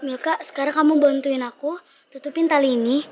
milka sekarang kamu bantuin aku tutupin tali ini